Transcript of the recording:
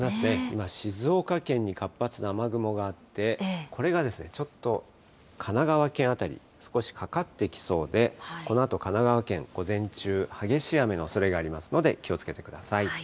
今、静岡県に活発な雨雲があって、これがちょっと神奈川県辺り、少しかかってきそうで、このあと神奈川県、午前中、激しい雨のおそれがありますので、気をつけてください。